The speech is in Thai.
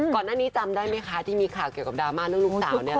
ก่อนหน้านี้จำได้มั้ยคะที่มีข่าวเกี่ยวกับดอร์มาดลูกดาวน์แน่ละ